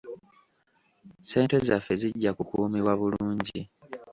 Ssente zaffe zijja kukuumibwa bulungi.